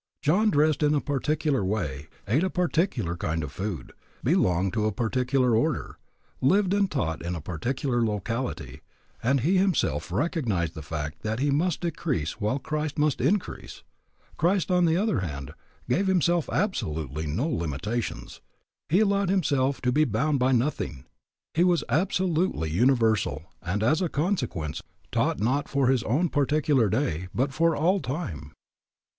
John dressed in a particular way, ate a particular kind of food, belonged to a particular order, lived and taught in a particular locality, and he himself recognized the fact that he must decrease while Christ must increase. Christ, on the other hand, gave himself absolutely no limitations. He allowed himself to be bound by nothing. He was absolutely universal and as a consequence taught not for his own particular day, but for all time.